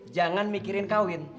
jangan mikirin kawin